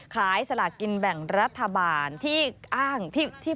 สลากินแบ่งรัฐบาลที่อ้างที่